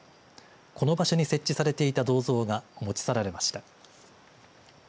この場所に設置されていた銅像が持ち去られました。